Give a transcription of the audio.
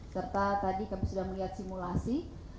serta tadi kami sudah melihat simulasi